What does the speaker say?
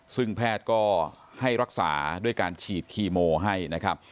ซึ่งแพทย์ก็ให้รักษาด้วยการฉีดคีโมให้นะครับ